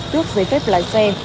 tước giấy phép lái xe